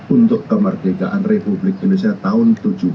untuk kemerdekaan republik indonesia tahun tujuh puluh delapan